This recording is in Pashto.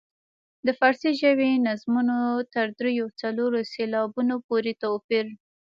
د فارسي ژبې نظمونو تر دریو او څلورو سېلابونو پورې توپیر.